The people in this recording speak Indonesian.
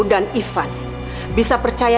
dan ivan bisa percaya